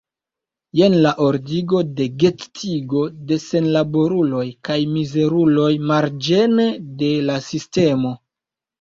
Jen la ordigo, la gettigo de senlaboruloj kaj mizeruloj marĝene de la sistemo.